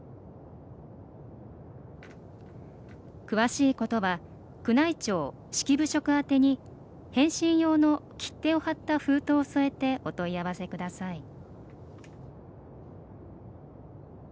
詳しいことは宮内庁・式部職宛てに返信用の切手を貼った封筒を添えてお問い合わせください。